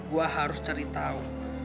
gue harus cari tahu